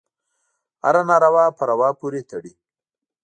هره ناروا په روا پورې تړي.